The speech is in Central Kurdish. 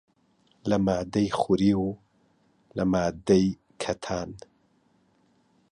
لە ماددەی خوری و لە ماددەی کەتان